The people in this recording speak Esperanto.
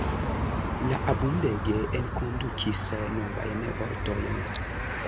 Li abundege enkondukis novajn vortojn.